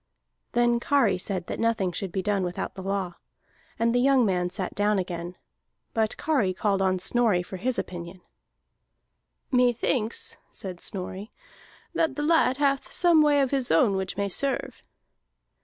Then Kari said that nothing should be done without the law. And the young man sat down again. But Kari called on Snorri for his opinion. "Methinks," said Snorri, "that the lad hath some way of his own which may serve."